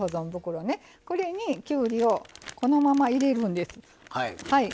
これにきゅうりをこのまま入れるんです。